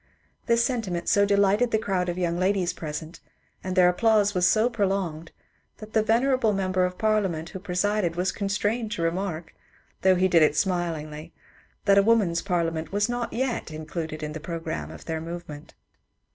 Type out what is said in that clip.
This sentiment so delighted the crowd of young ladies present, and their applause was so prolonged, that the venerable member of Parliament who presided was constrained to remark, though he did it smilingly, that a woman's parliament was not yet included in the programme of their movement.